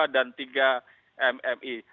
dua dan tiga mmi